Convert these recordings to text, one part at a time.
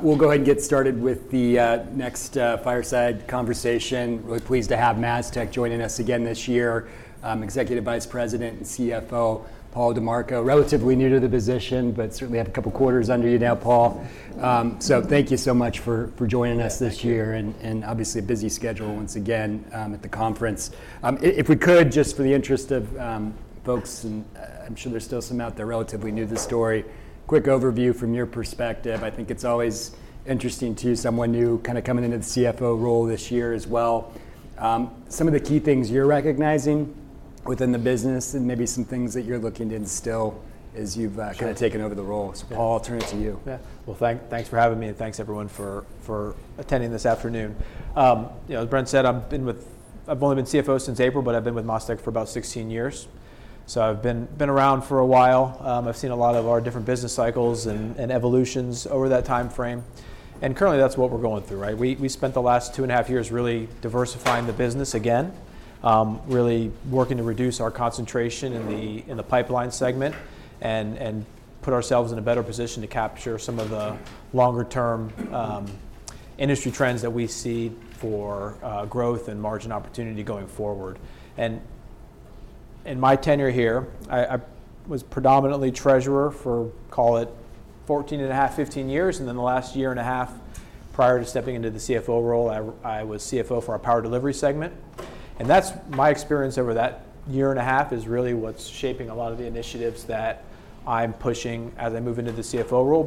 We'll go ahead and get started with the next fireside conversation. Really pleased to have MasTec joining us again this year. Executive Vice President and CFO, Paul DiMarco. Relatively new to the position, but certainly have a couple quarters under you now, Paul. Thank you so much for joining us this year. Thank you. And obviously, a busy schedule once again at the conference. If we could, just for the interest of folks, I'm sure there's still some out there relatively new to the story, quick overview from your perspective. I think it's always interesting to someone new kinda coming into the CFO role this year as well. Some of the key things you're recognizing within the business and maybe some things that you're looking to instill as you've. Sure Kinda taken over the role. So Paul, I'll turn it to you. Yeah. Well, thanks for having me, and thanks, everyone, for attending this afternoon. You know, as Brent said, I've been with. I've only been CFO since April, but I've been with MasTec for about 16 years. So I've been around for a while. I've seen a lot of our different business cycles and evolutions over that timeframe, and currently, that's what we're going through, right? We spent the last 2.5 years really diversifying the business again, really working to reduce our concentration in the pipeline segment and put ourselves in a better position to capture some of the longer-term industry trends that we see for growth and margin opportunity going forward. In my tenure here, I was predominantly treasurer for, call it, 14 and a half, 15 years, and then the last year and a half, prior to stepping into the CFO role, I was CFO for our power delivery segment. That's, my experience over that year and a half is really what's shaping a lot of the initiatives that I'm pushing as I move into the CFO role.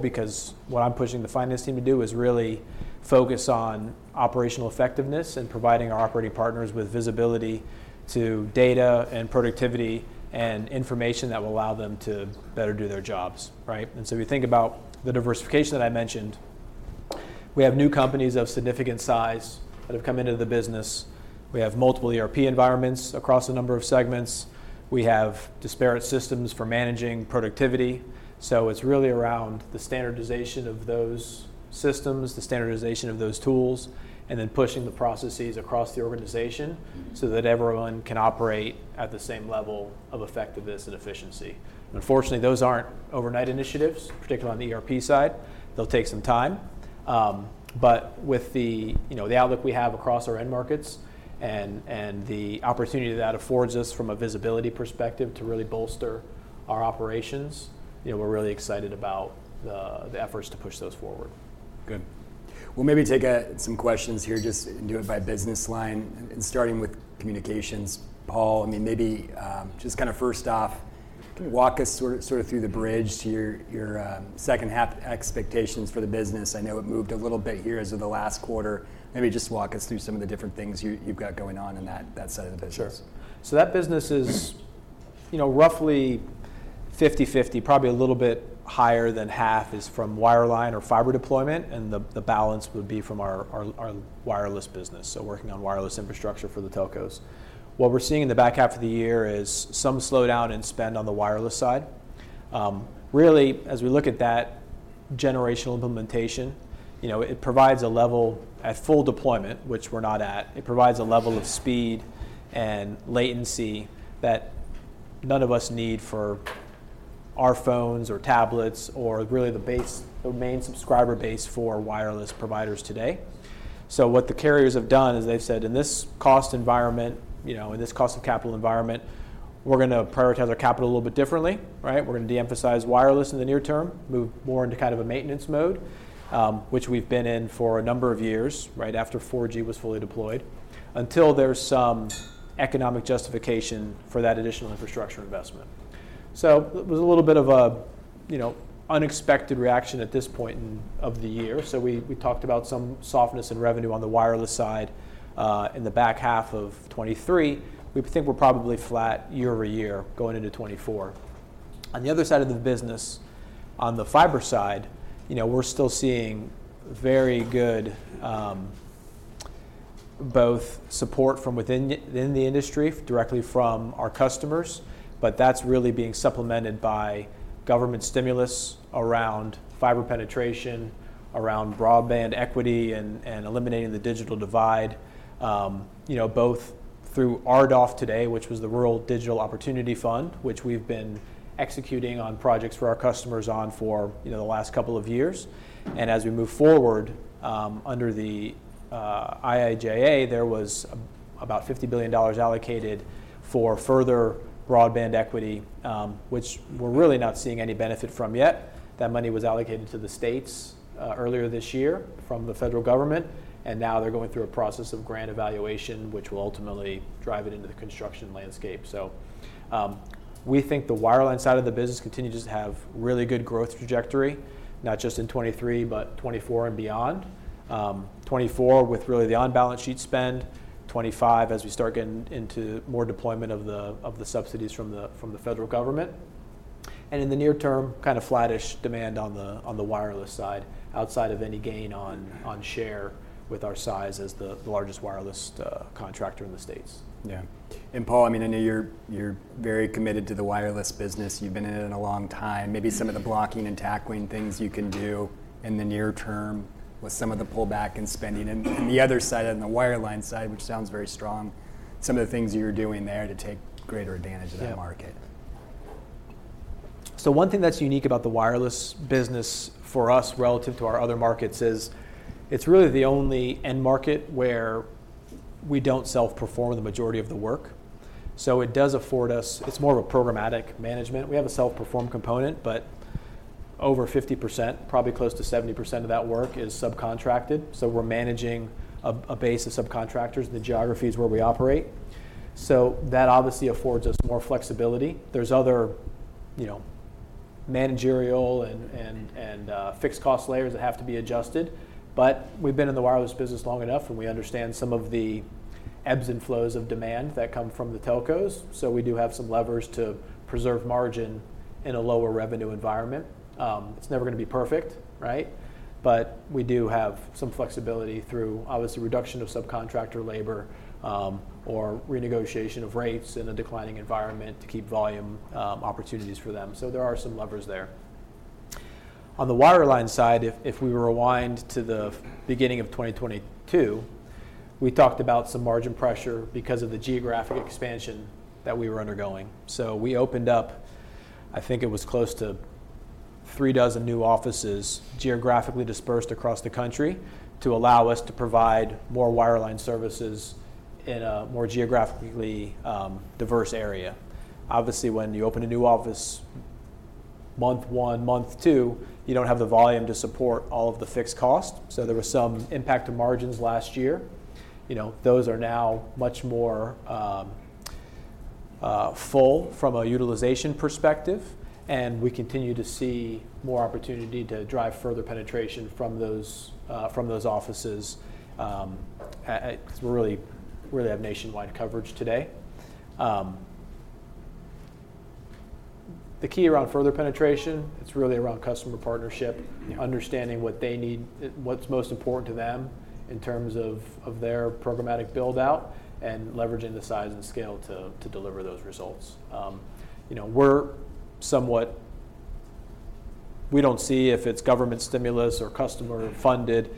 What I'm pushing the finance team to do is really focus on operational effectiveness and providing our operating partners with visibility to data, and productivity, and information that will allow them to better do their jobs, right? If you think about the diversification that I mentioned, we have new companies of significant size that have come into the business. We have multiple ERP environments across a number of segments. We have disparate systems for managing productivity. So it's really around the standardization of those systems, the standardization of those tools, and then pushing the processes across the organization, so that everyone can operate at the same level of effectiveness and efficiency. Unfortunately, those aren't overnight initiatives, particularly on the ERP side. They'll take some time. But with the, you know, the outlook we have across our end markets and, and the opportunity that affords us from a visibility perspective to really bolster our operations, you know, we're really excited about the, the efforts to push those forward. Good. We'll maybe take some questions here, just do it by business line, and starting with communications. Paul, I mean, maybe just kinda first off. Okay. Walk us sort of, sort of through the bridge to your, your second half expectations for the business. I know it moved a little bit here as of the last quarter. Maybe just walk us through some of the different things you, you've got going on in that, that side of the business. Sure. That business is, you know, roughly 50/50. Probably a little bit higher than half is from wireline or fiber deployment, and the balance would be from our wireless business, so working on wireless infrastructure for the telcos. What we're seeing in the back half of the year is some slowdown in spend on the wireless side. Really, as we look at that generational implementation, you know, it provides a level, at full deployment, which we're not at, it provides a level of speed and latency that none of us need for our phones or tablets or really the base, the main subscriber base for wireless providers today. What the carriers have done is they've said, "In this cost environment, you know, in this cost of capital environment, we're gonna prioritize our capital a little bit differently, right? We're gonna de-emphasize wireless in the near term, move more into kind of a maintenance mode, which we've been in for a number of years, right after 4G was fully deployed, until there's some economic justification for that additional infrastructure investment." So it was a little bit of a, you know, unexpected reaction at this point in the year. So we talked about some softness in revenue on the wireless side. In the back half of 2023, we think we're probably flat year-over-year, going into 2024. On the other side of the business, on the fiber side, you know, we're still seeing very good both support from within the industry, directly from our customers, but that's really being supplemented by government stimulus around fiber penetration, around broadband equity, and eliminating the digital divide. You know, both through RDOF today, which was the Rural Digital Opportunity Fund, which we've been executing on projects for our customers on for the last couple of years. As we move forward, under the IIJA, there was about $50 billion allocated for further broadband equity, which we're really not seeing any benefit from yet. That money was allocated to the states earlier this year from the federal government, and now they're going through a process of grant evaluation, which will ultimately drive it into the construction landscape. We think the wireline side of the business continues to have really good growth trajectory, not just in 2023, but 2024 and beyond. 2024, with really the on-balance sheet spend, 2025, as we start getting into more deployment of the subsidies from the federal government. In the near term, kinda flattish demand on the wireless side, outside of any gain on share with our size as the largest wireless contractor in the States. Yeah. And Paul, I mean, I know you're, you're very committed to the wireless business. You've been in it a long time. Maybe some of the blocking and tackling things you can do in the near term with some of the pullback in spending. And, and the other side, on the wireline side, which sounds very strong, some of the things you're doing there to take greater advantage of that market. So one thing that's unique about the wireless business for us, relative to our other markets, is it's really the only end market where we don't self-perform the majority of the work. So it does afford us. It's more of a programmatic management. We have a self-perform component, but over 50%, probably close to 70% of that work is subcontracted, so we're managing a base of subcontractors in the geographies where we operate. So that obviously affords us more flexibility. There's other, you know, managerial and fixed cost layers that have to be adjusted. But we've been in the wireless business long enough, and we understand some of the ebbs and flows of demand that come from the telcos, so we do have some levers to preserve margin in a lower revenue environment. It's never gonna be perfect, right? We do have some flexibility through, obviously, reduction of subcontractor labor, or renegotiation of rates in a declining environment to keep volume, opportunities for them. There are some levers there. On the wireline side, if we rewind to the beginning of 2022, we talked about some margin pressure because of the geographic expansion that we were undergoing. We opened up, I think it was close to 3 dozen new offices, geographically dispersed across the country, to allow us to provide more wireline services in a more geographically diverse area. Obviously, when you open a new office, month one, month two, you don't have the volume to support all of the fixed costs, so there was some impact to margins last year. You know, those are now much more full from a utilization perspective, and we continue to see more opportunity to drive further penetration from those offices. Really, really have nationwide coverage today. The key around further penetration, it's really around customer partnership, understanding what they need, what's most important to them in terms of their programmatic build-out, and leveraging the size and scale to deliver those results. You know, we're somewhat. We don't see if it's government stimulus or customer-funded,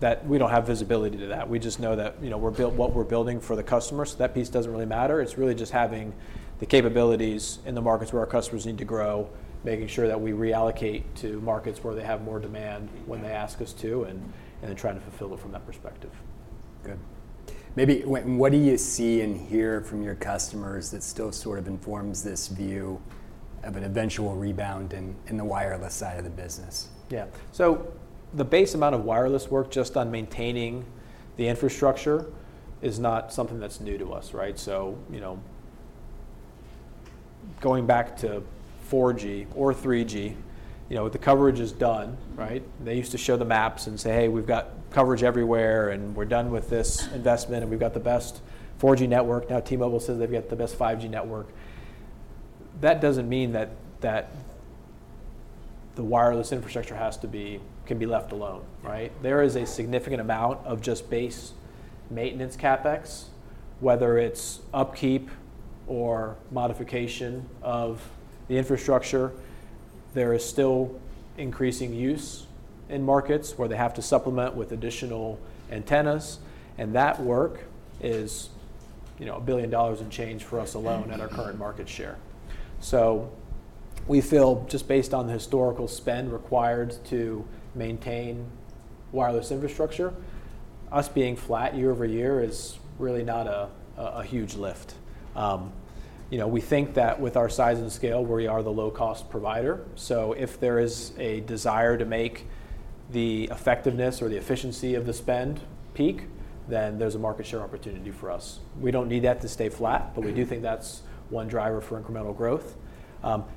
that we don't have visibility to that. We just know that, you know, what we're building for the customer, so that piece doesn't really matter. It's really just having the capabilities in the markets where our customers need to grow, making sure that we reallocate to markets where they have more demand when they ask us to, and then trying to fulfill it from that perspective. Good. Maybe what do you see and hear from your customers that still sort of informs this view of an eventual rebound in, in the wireless side of the business? Yeah. So the base amount of wireless work, just on maintaining the infrastructure, is not something that's new to us, right? So, you know, going back to 4G or 3G, you know, the coverage is done, right? They used to show the maps and say, "Hey, we've got coverage everywhere, and we're done with this investment, and we've got the best 4G network." Now, T-Mobile says they've got the best 5G network. That doesn't mean that, that the wireless infrastructure has to be can be left alone, right? Yeah. There is a significant amount of just base maintenance CapEx, whether it's upkeep or modification of the infrastructure, there is still increasing use in markets where they have to supplement with additional antennas, and that work is, you know, a billion dollars in change for us alone. At our current market share. So we feel just based on the historical spend required to maintain wireless infrastructure, us being flat year-over-year is really not a huge lift. You know, we think that with our size and scale, we are the low-cost provider. So if there is a desire to make the effectiveness or the efficiency of the spend peak, then there's a market share opportunity for us. We don't need that to stay flat, but we do think that's one driver for incremental growth.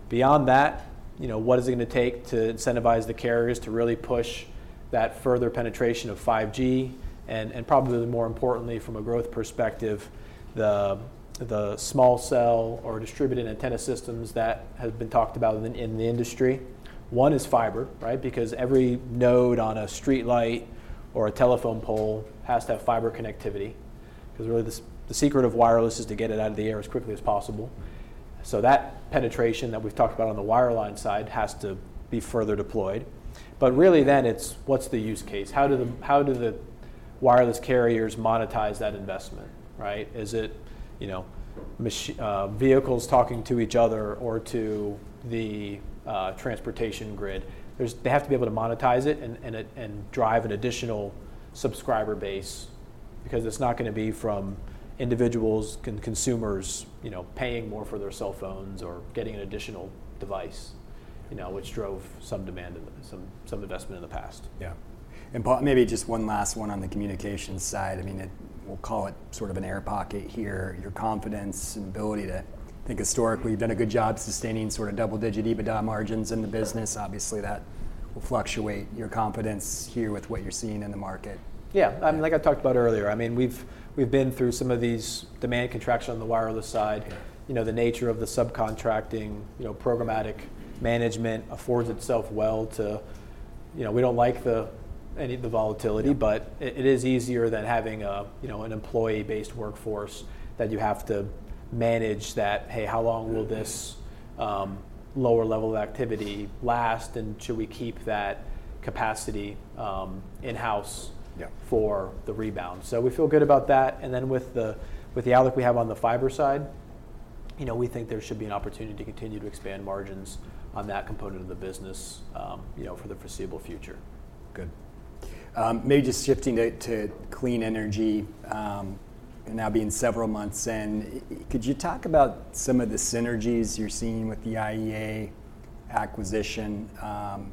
Beyond that, you know, what is it gonna take to incentivize the carriers to really push that further penetration of 5G, and probably more importantly, from a growth perspective, the small cell or distributed antenna systems that have been talked about in the industry? One is fiber, right? Because every node on a streetlight or a telephone pole has to have fiber connectivity. Because really, the secret of wireless is to get it out of the air as quickly as possible. So that penetration that we've talked about on the wireline side has to be further deployed. But really, then it's what's the use case? How do the, how do the wireless carriers monetize that investment, right? Is it, you know, vehicles talking to each other or to the transportation grid? They have to be able to monetize it and, and it, and drive an additional subscriber base, because it's not gonna be from individuals, consumers, you know, paying more for their cell phones or getting an additional device, you know, which drove some demand in the, some, some investment in the past. Yeah. And maybe just one last one on the communication side. I mean, we'll call it sort of an air pocket here, your confidence and ability to. I think historically, you've done a good job sustaining sort of double-digit EBITDA margins in the business. Sure. Obviously, that will fluctuate your confidence here with what you're seeing in the market. Yeah. I mean, like I talked about earlier, I mean, we've been through some of these demand contractions on the wireless side. Yeah. You know, the nature of the subcontracting, you know, programmatic management affords itself well to. You know, we don't like any of the volatility. Yeah. But it is easier than having a, you know, an employee-based workforce that you have to manage that, "Hey, how long. WQill this, lower level of activity last, and should we keep that capacity, in-house. Yeah. For the rebound?" So we feel good about that. And then with the, with the outlook we have on the fiber side, you know, we think there should be an opportunity to continue to expand margins on that component of the business, you know, for the foreseeable future. Good. Maybe just shifting to clean energy, and now being several months in, could you talk about some of the synergies you're seeing with the IEA acquisition,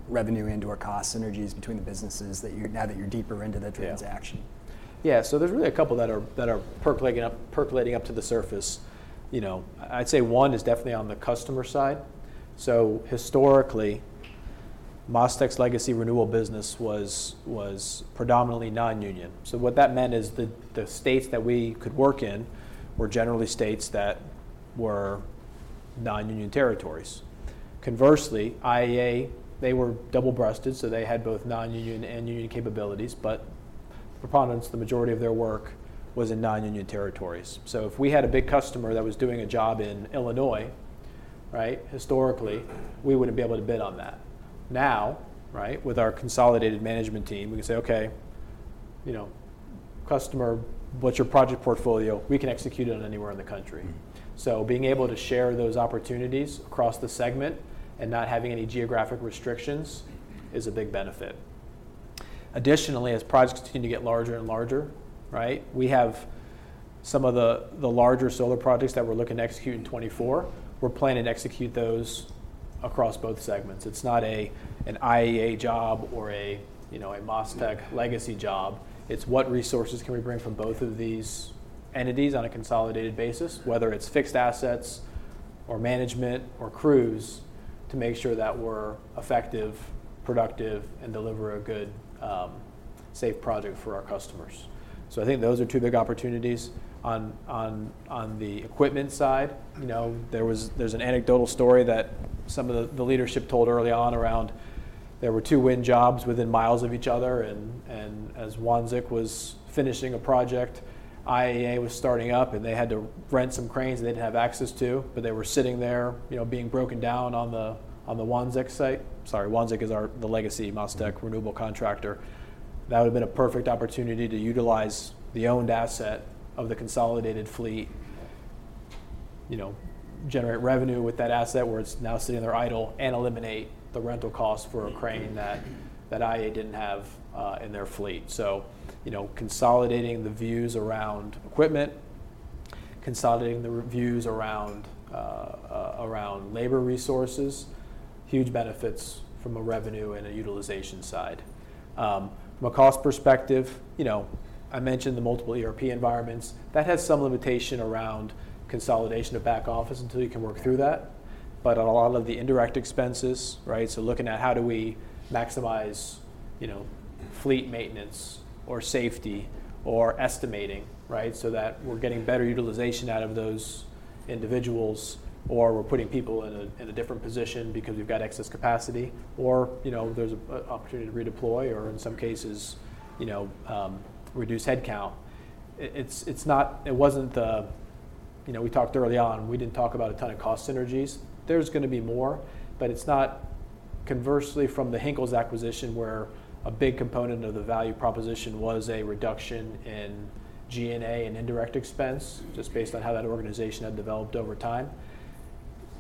revenue and cost synergies between the businesses, now that you're deeper into the transaction? Yeah. Yeah, so there's really a couple that are, that are percolating up, percolating up to the surface. You know, I'd say one is definitely on the customer side. So historically, MasTec's legacy renewable business was, was predominantly non-union. So what that meant is the, the states that we could work in were generally states that were non-union territories. Conversely, IEA, they were double-breasted, so they had both non-union and union capabilities, but preponderance, the majority of their work was in non-union territories. So if we had a big customer that was doing a job in Illinois, right? Historically, we wouldn't be able to bid on that. Now, right, with our consolidated management team, we can say, "Okay, you know, customer, what's your project portfolio? We can execute it on anywhere in the country. So being able to share those opportunities across the segment and not having any geographic restrictions is a big benefit. Additionally, as projects continue to get larger and larger, right, we have some of the larger solar projects that we're looking to execute in 2024. We're planning to execute those across both segments. It's not an IEA job or, you know, a MasTec. Yeah. Legacy job. It's what resources can we bring from both of these entities on a consolidated basis, whether it's fixed assets or management or crews, to make sure that we're effective, productive, and deliver a good, safe project for our customers. So I think those are two big opportunities on the equipment side. You know, there's an anecdotal story that some of the, the leadership told early on around. There were two wind jobs within miles of each other, and as Wanzek was finishing a project, IEA was starting up, and they had to rent some cranes they didn't have access to, but they were sitting there, you know, being broken down on the, on the Wanzek site. Sorry, Wanzek is our, the legacy MasTec renewable contractor. That would've been a perfect opportunity to utilize the owned asset of the consolidated fleet. Yeah. You know, generate revenue with that asset, where it's now sitting there idle, and eliminate the rental cost for a crane. That IEA didn't have in their fleet. So, you know, consolidating the views around equipment, consolidating the views around labor resources, huge benefits from a revenue and a utilization side. From a cost perspective, you know, I mentioned the multiple ERP environments. That has some limitation around consolidation of back office until you can work through that. Yeah. But on a lot of the indirect expenses, right? So looking at how do we maximize, you know, fleet maintenance or safety or estimating, right? So that we're getting better utilization out of those individuals, or we're putting people in a, in a different position because we've got excess capacity, or, you know, there's a, a opportunity to redeploy, or in some cases, you know, reduce headcount. It's not. It wasn't the. You know, we talked early on, we didn't talk about a ton of cost synergies. There's gonna be more, but it's not conversely from the Henkels acquisition, where a big component of the value proposition was a reduction in G&A and indirect expense. Just based on how that organization had developed over time.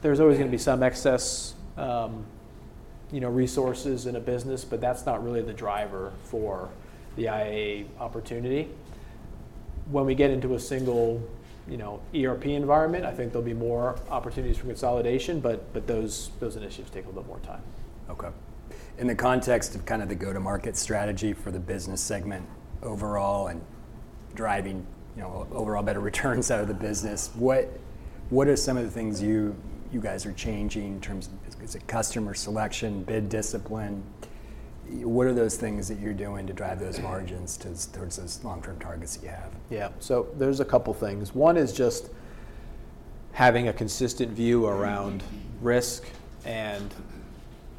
There's always gonna be some excess, you know, resources in a business, but that's not really the driver for the IEA opportunity. When we get into a single, you know, ERP environment, I think there'll be more opportunities for consolidation, but those initiatives take a little more time. Okay. In the context of kind of the go-to-market strategy for the business segment overall and driving, you know, overall better returns out of the business, what, what are some of the things you, you guys are changing in terms of. Is it customer selection, bid discipline? What are those things that you're doing to drive those margins to towards those long-term targets that you have? Yeah. So there's a couple things. One is just having a consistent view around risk and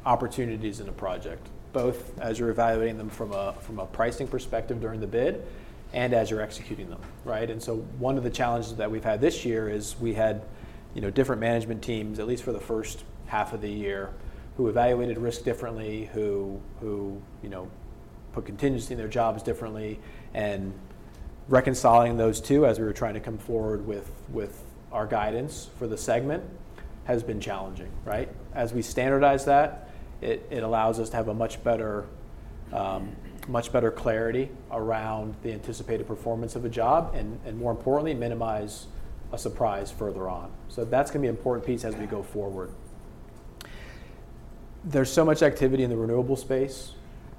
opportunities in a project, both as you're evaluating them from a, from a pricing perspective during the bid and as you're executing them, right? And so one of the challenges that we've had this year is we had, you know, different management teams, at least for the first half of the year, who evaluated risk differently, who, who, you know, put contingency in their jobs differently. And reconciling those two, as we were trying to come forward with, with our guidance for the segment, has been challenging, right? As we standardize that, it, it allows us to have a much better, much better clarity around the anticipated performance of a job, and, and more importantly, minimize a surprise further on. So that's gonna be an important piece as. Yeah. We go forward. There's so much activity in the renewable space,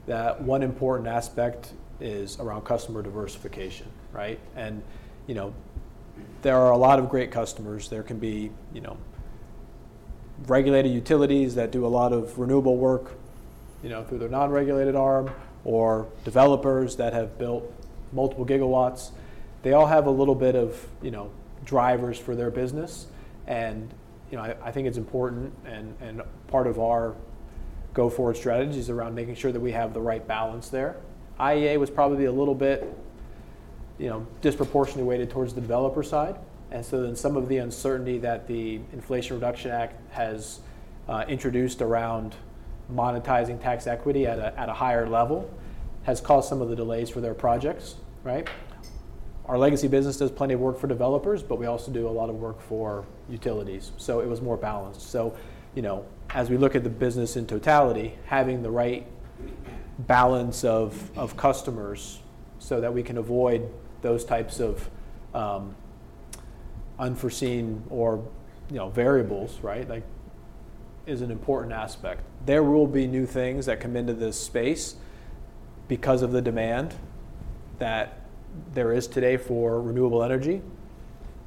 that one important aspect is around customer diversification, right? And, you know, there are a lot of great customers. There can be, you know, regulated utilities that do a lot of renewable work, you know, through their non-regulated arm or developers that have built multiple gigawatts. They all have a little bit of, you know, drivers for their business. And, you know, I think it's important, and part of our go-forward strategy is around making sure that we have the right balance there. IEA was probably a little bit, you know, disproportionately weighted towards the developer side. And so then some of the uncertainty that the Inflation Reduction Act has introduced around monetizing tax equity at a higher level has caused some of the delays for their projects, right? Our legacy business does plenty of work for developers, but we also do a lot of work for utilities, so it was more balanced. So, you know, as we look at the business in totality, having the right balance of, of customers so that we can avoid those types of, unforeseen or, you know, variables, right, like, is an important aspect. There will be new things that come into this space because of the demand that there is today for renewable energy,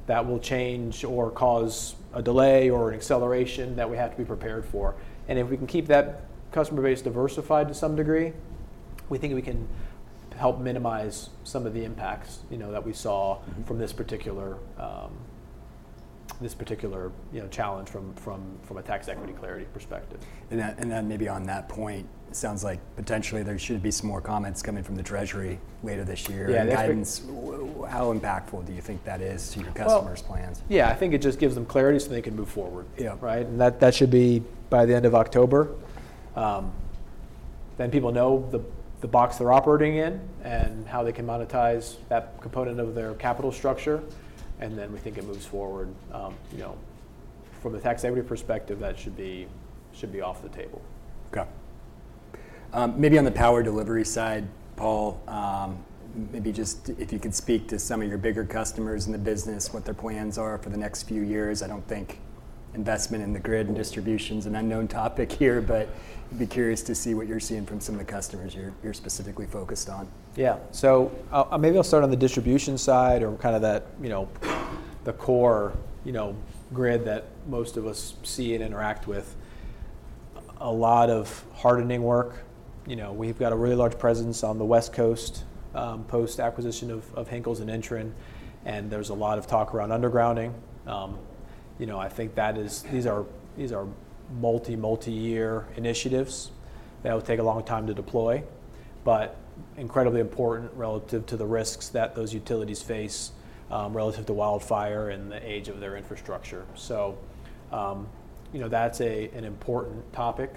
that will change or cause a delay or an acceleration that we have to be prepared for. If we can keep that customer base diversified to some degree, we think we can help minimize some of the impacts, you know, that we saw. from this particular, you know, challenge from a tax equity clarity perspective. And then maybe on that point, it sounds like potentially there should be some more comments coming from the Treasury later this year. Yeah, that's been. Guidance, how impactful do you think that is to your customers' plans? Well, yeah, I think it just gives them clarity so they can move forward. Yeah. Right? And that should be by the end of October. Then people know the box they're operating in and how they can monetize that component of their capital structure, and then we think it moves forward. You know, from the tax equity perspective, that should be off the table. Okay. Maybe on the power delivery side, Paul, maybe just if you could speak to some of your bigger customers in the business, what their plans are for the next few years. I don't think investment in the grid and distribution. Sure. Is an unknown topic here, but I'd be curious to see what you're seeing from some of the customers you're specifically focused on. Yeah. So maybe I'll start on the distribution side or kind of that, you know, the core, you know, grid that most of us see and interact with. A lot of hardening work. You know, we've got a really large presence on the West Coast, post-acquisition of Henkels and Entrin, and there's a lot of talk around undergrounding. You know, I think that is. These are multi-year initiatives that will take a long time to deploy, but incredibly important relative to the risks that those utilities face, relative to wildfire and the age of their infrastructure. So, you know, that's an important topic.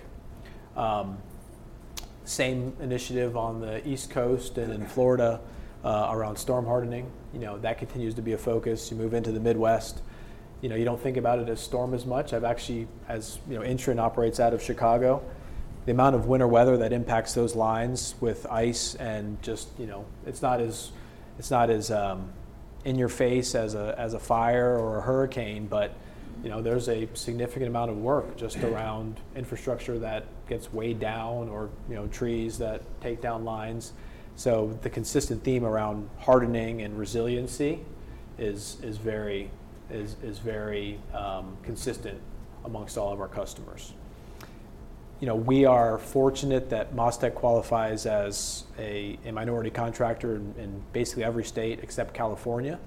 Same initiative on the East Coast and in Florida, around storm hardening. You know, that continues to be a focus. You move into the Midwest, you know, you don't think about it as storm as much. I've actually, you know, Intren operates out of Chicago, the amount of winter weather that impacts those lines with ice and just, you know. It's not as in your face as a fire or a hurricane, but. You know, there's a significant amount of work just around infrastructure that gets weighed down or, you know, trees that take down lines. So the consistent theme around hardening and resiliency is very consistent amongst all of our customers. You know, we are fortunate that MasTec qualifies as a minority contractor in basically every state except California.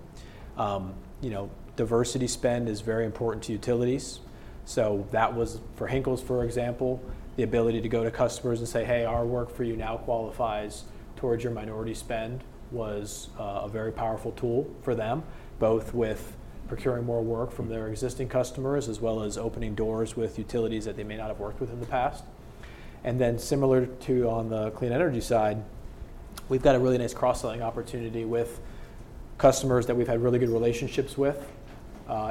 You know, diversity spend is very important to utilities, so that was, for Henkels, for example, the ability to go to customers and say, "Hey, our work for you now qualifies towards your minority spend," a very powerful tool for them, both with procuring more work from their existing customers, as well as opening doors with utilities that they may not have worked with in the past. Then similar to on the clean energy side, we've got a really nice cross-selling opportunity with customers that we've had really good relationships with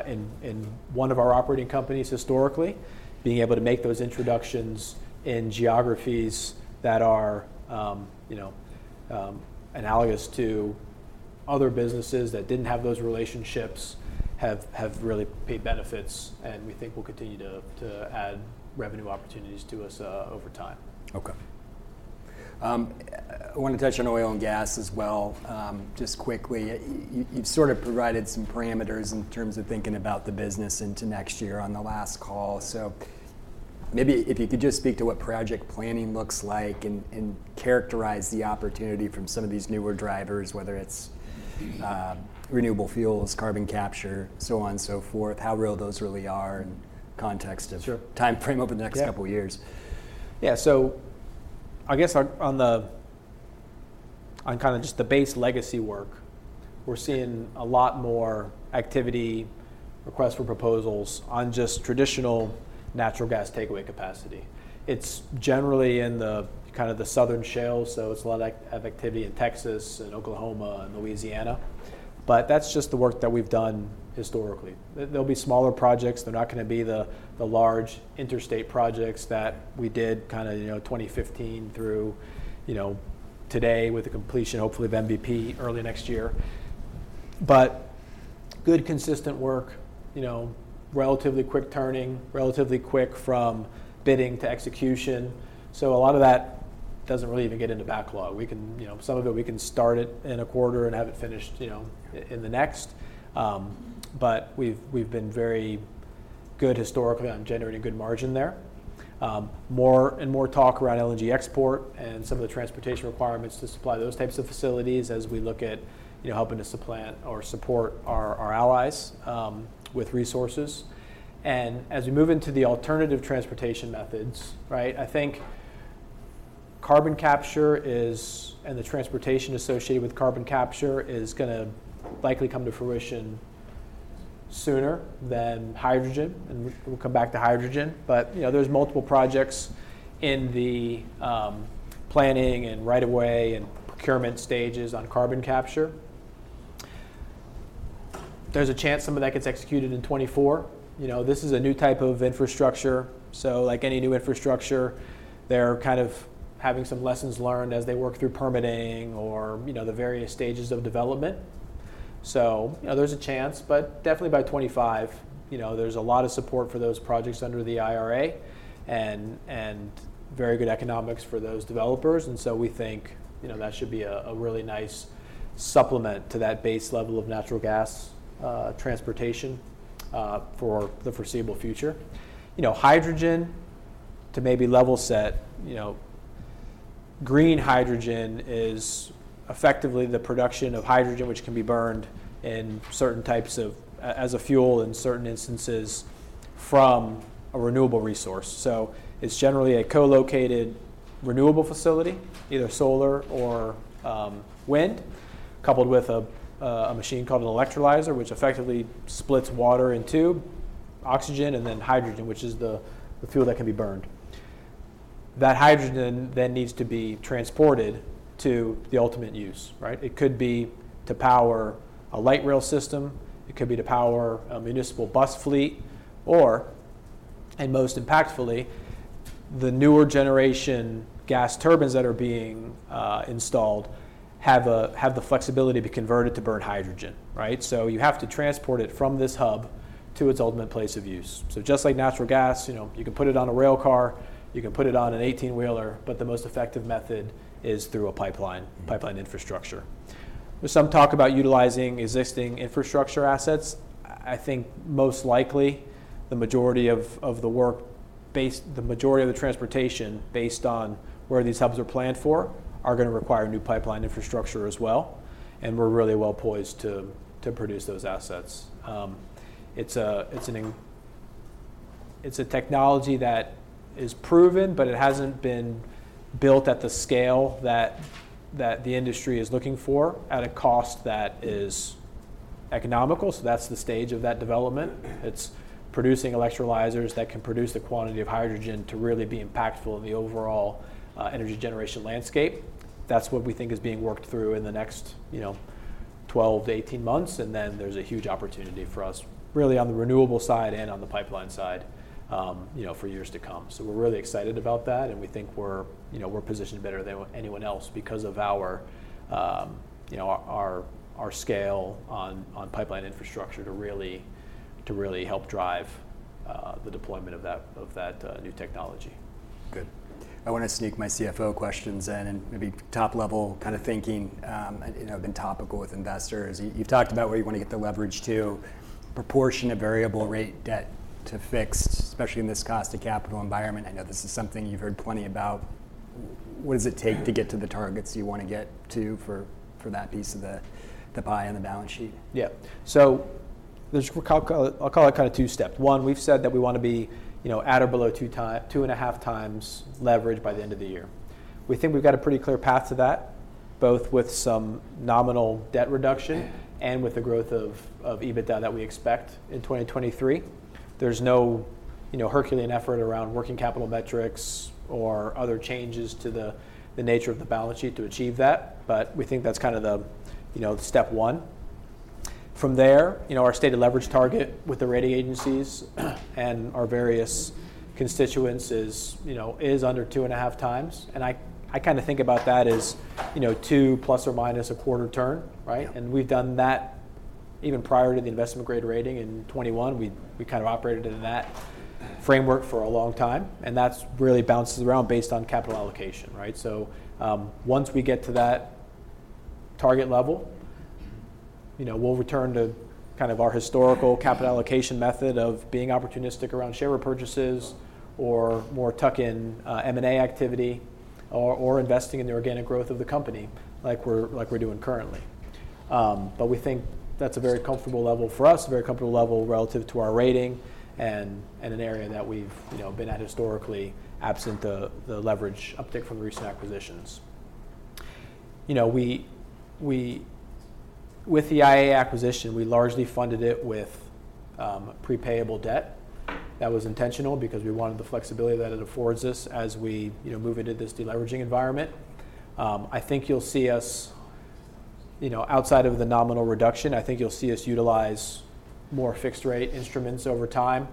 in one of our operating companies historically. Being able to make those introductions in geographies that are, you know, analogous to other businesses that didn't have those relationships have really paid benefits, and we think will continue to add revenue opportunities to us over time. Okay. I want to touch on oil and gas as well. Just quickly, you've sort of provided some parameters in terms of thinking about the business into next year on the last call. So maybe if you could just speak to what project planning looks like and characterize the opportunity from some of these newer drivers, whether it's renewable fuels, carbon capture, so on and so forth, how real those really are, and context of. Sure. Timeframe over the next couple of years. Yeah. Yeah, so I guess on kind of just the base legacy work, we're seeing a lot more activity, requests for proposals on just traditional natural gas takeaway capacity. It's generally in kind of the southern shales, so it's a lot of activity in Texas and Oklahoma and Louisiana, but that's just the work that we've done historically. There'll be smaller projects. They're not gonna be the large interstate projects that we did kind of, you know, 2015 through, you know, today with the completion, hopefully, of MVP early next year. But good, consistent work, you know, relatively quick turning, relatively quick from bidding to execution, so a lot of that doesn't really even get into backlog. We can, you know, some of it, we can start it in a quarter and have it finished, you know, in the next. But we've been very good historically on generating good margin there. More and more talk around LNG export and some of the transportation requirements to supply those types of facilities as we look at, you know, helping to supplant or support our allies with resources. And as we move into the alternative transportation methods, right, I think carbon capture is, and the transportation associated with carbon capture, gonna likely come to fruition sooner than hydrogen, and we'll come back to hydrogen. But, you know, there's multiple projects in the planning and right of way and procurement stages on carbon capture. There's a chance some of that gets executed in 2024. You know, this is a new type of infrastructure, so like any new infrastructure, they're kind of having some lessons learned as they work through permitting or, you know, the various stages of development. So, you know, there's a chance, but definitely by 2025. You know, there's a lot of support for those projects under the IRA, and very good economics for those developers. And so we think, you know, that should be a really nice supplement to that base level of natural gas transportation for the foreseeable future. You know, hydrogen, to maybe level set, you know, green hydrogen is effectively the production of hydrogen, which can be burned in certain types of, as a fuel in certain instances from a renewable resource. So it's generally a co-located renewable facility, either solar or wind, coupled with a machine called an electrolyzer, which effectively splits water in two: oxygen and then hydrogen, which is the fuel that can be burned. That hydrogen then needs to be transported to the ultimate use, right? It could be to power a light rail system, it could be to power a municipal bus fleet, or, and most impactfully, the newer generation gas turbines that are being installed have the flexibility to be converted to burn hydrogen, right? So you have to transport it from this hub to its ultimate place of use. So just like natural gas, you know, you can put it on a rail car, you can put it on an 18-wheeler, but the most effective method is through a pipeline, pipeline infrastructure. There's some talk about utilizing existing infrastructure assets. I think most likely, the majority of the transportation based on where these hubs are planned for, are gonna require new pipeline infrastructure as well, and we're really well poised to produce those assets. It's a technology that is proven, but it hasn't been built at the scale that the industry is looking for at a cost that is economical. So that's the stage of that development. It's producing electrolyzers that can produce the quantity of hydrogen to really be impactful in the overall, energy generation landscape. That's what we think is being worked through in the next, you know, 12-18 months, and then there's a huge opportunity for us, really, on the renewable side and on the pipeline side, you know, for years to come. So we're really excited about that, and we think we're, you know, we're positioned better than anyone else because of our, you know, our scale on pipeline infrastructure to really help drive the deployment of that new technology. Good. I wanna sneak my CFO questions in, and maybe top-level kind of thinking, you know, been topical with investors. You've talked about where you wanna get the leverage to proportion of variable rate debt to fixed, especially in this cost of capital environment. I know this is something you've heard plenty about. What does it take to get to the targets you wanna get to for that piece of the pie on the balance sheet? Yeah. There's. I'll call it, I'll call it kind of two-step. One, we've said that we wanna be, you know, at or below 2x-2.5x leverage by the end of the year. We think we've got a pretty clear path to that, both with some nominal debt reduction and with the growth of, of EBITDA that we expect in 2023. There's no, you know, herculean effort around working capital metrics or other changes to the, the nature of the balance sheet to achieve that, but we think that's kind of the, you know, step one. From there, you know, our stated leverage target with the rating agencies, and our various constituents is, you know, is under 2.5x. I kinda think about that as, you know, 2x plus or minus a quarter turn, right? Yeah. We've done that even prior to the investment-grade rating in 2021. We kind of operated in that framework for a long time, and that's really bounces around based on capital allocation, right? So, once we get to that target level, you know, we'll return to kind of our historical capital allocation method of being opportunistic around share repurchases or more tuck-in M&A activity or investing in the organic growth of the company, like we're doing currently. But we think that's a very comfortable level for us, a very comfortable level relative to our rating and an area that we've, you know, been at historically, absent the leverage uptick from recent acquisitions. You know, with the IEA acquisition, we largely funded it with prepayable debt. That was intentional because we wanted the flexibility that it affords us as we, you know, move into this deleveraging environment. I think you'll see us, you know, outside of the nominal reduction, I think you'll see us utilize more fixed-rate instruments over time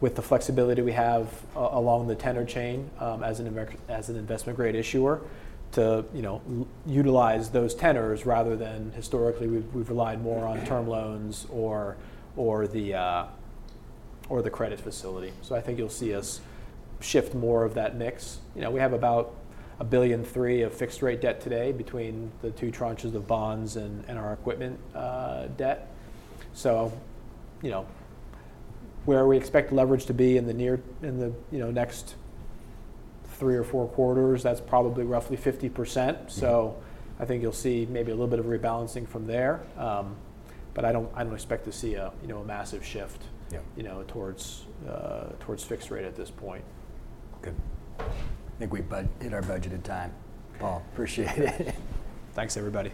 with the flexibility we have along the tenor chain, as an, as an investment-grade issuer, to, you know, utilize those tenors, rather than historically, we've, we've relied more on term loans or, or the, or the credit facility. So I think you'll see us shift more of that mix. You know, we have about $1.3 billion of fixed-rate debt today between the two tranches of bonds and, and our equipment debt. You know, where we expect leverage to be in the near- in the, you know, next 3 or 4 quarters, that's probably roughly 50%. I think you'll see maybe a little bit of rebalancing from there. But I don't, I don't expect to see a, you know, a massive shift. Yeah. You know, towards, towards fixed-rate at this point. Good. I think we hit our budgeted time. Paul, appreciate it. Thanks, everybody.